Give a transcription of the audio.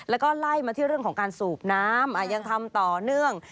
แล้วก็ไล่มาที่เรื่องของการสูบน้ำยังทำต่อเนื่อง